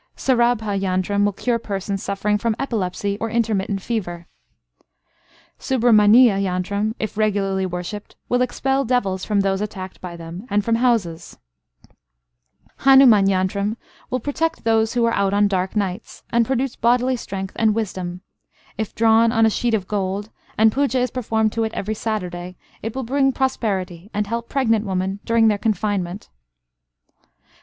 Sarabha yantram will cure persons suffering from epilepsy or intermittent fever. Subramaniya yantram, if regularly worshipped, will expel devils from those attacked by them, and from houses. Hanuman yantram will protect those who are out on dark nights, and produce bodily strength and wisdom. If drawn on a sheet of gold, and puja is performed to it every Saturday, it will bring prosperity, and help pregnant women during their confinement.